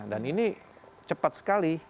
dan ini cepat sekali